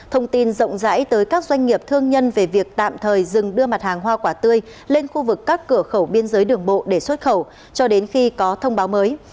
thông tin rộng rãi tới các doanh nghiệp thương nhân về việc tạm thời dừng đưa mặt hàng hoa quả tươi lên khu vực các cửa khẩu biên giới đường bộ để xuất khẩu cho đến khi có thông báo mới